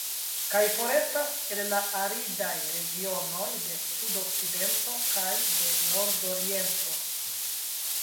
Kaj forestas el la aridaj regionoj de Sudokcidento kaj de Nordoriento.